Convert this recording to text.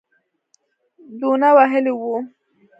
دونه وهلی وو.